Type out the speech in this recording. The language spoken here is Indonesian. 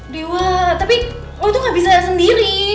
dewa tapi lo tuh gak bisa sendiri